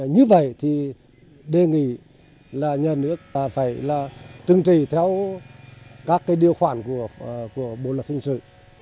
như vậy thì đề nghị là nhà nước phải là trưng trì theo các cái điều khoản của bộ luật hình sự